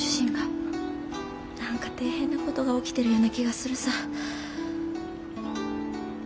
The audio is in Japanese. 何か大変な事が起きてるような気がするさ。